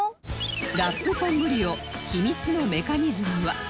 ラップポン・ブリオ秘密のメカニズムは